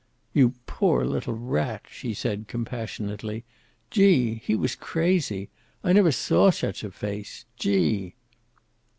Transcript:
"You poor little rat," she said compassionately. "Gee! He was crazy. I never saw such a face. Gee!"